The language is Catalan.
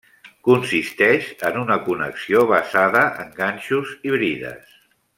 Consisteix en una connexió basada en ganxos i brides.